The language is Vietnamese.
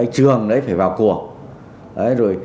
trường đấy phải vào cổ